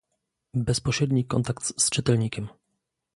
bezpośredni kontakt z czytelnikiem